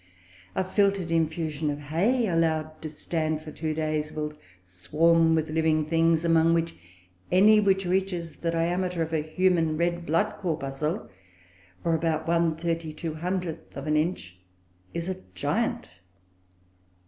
A filtered infusion of hay, allowed to stand for two days, will swarm with living things among which, any which reaches the diameter of a human red blood corpuscle, or about 1/3200th of an inch, is a giant.